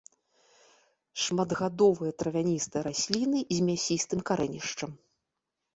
Шматгадовыя травяністыя расліны з мясістым карэнішчам.